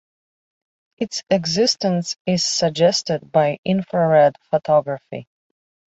Its existence is suggested by infrared photography.